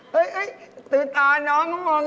เฮ่ยตื่นตาน้องมองเย็นดิ